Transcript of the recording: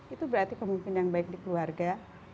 itu berarti pemimpin yang baik di keluarga